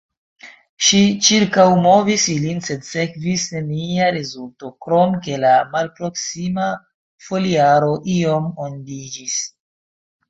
Ŝi ĉirkaŭmovis ilin sed sekvis nenia rezulto krom ke la malproksima foliaro iom ondiĝis.